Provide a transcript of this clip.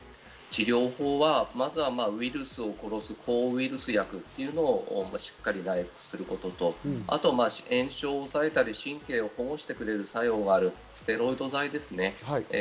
治療法はどういうものになりまずはウイルスを殺す、抗ウイルス薬をしっかり内服することと、炎症を抑えたり、神経を保護してくれる作用があるステロイド剤ですね。